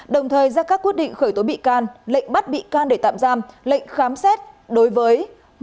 đồng thời ra các quyết định khởi tố bị can lệnh bắt bị can để tạm giam lệnh khám xét đối với